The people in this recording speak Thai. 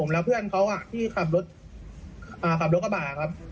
แล้วเพื่อนเขาที่ขับรถกระบะครับ